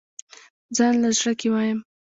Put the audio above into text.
ځانله زړۀ کښې وايم